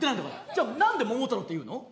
じゃあ何で桃太郎っていうの？